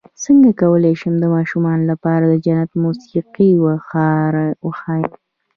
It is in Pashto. څنګه کولی شم د ماشومانو لپاره د جنت موسيقي وښایم